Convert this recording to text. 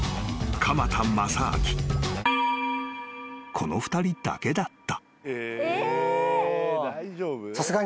［この２人だけだった］